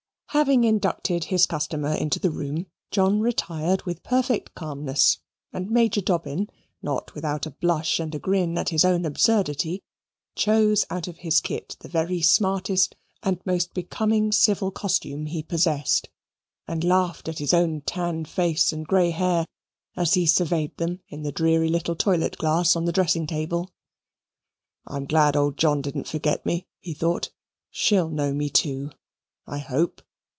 Having inducted his customer into the room, John retired with perfect calmness; and Major Dobbin, not without a blush and a grin at his own absurdity, chose out of his kit the very smartest and most becoming civil costume he possessed, and laughed at his own tanned face and grey hair, as he surveyed them in the dreary little toilet glass on the dressing table. "I'm glad old John didn't forget me," he thought. "She'll know me, too, I hope."